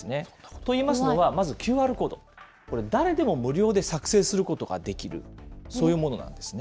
といいますのは、まずＱＲコード、これ、誰でも無料で作成することができる、そういうものなんですね。